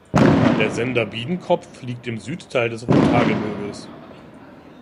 Der Sender Biedenkopf liegt im Südteil des Rothaargebirges.